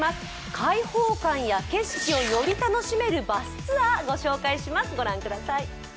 開放感や景色をより楽しめるバスツアー、御紹介します。